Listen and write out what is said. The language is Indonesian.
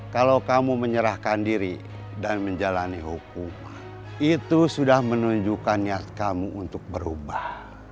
kalau kamu menyerahkan diri dan menjalani hukuman itu sudah menunjukkan niat kamu untuk berubah